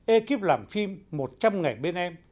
ekip làm phim một trăm ngày bên em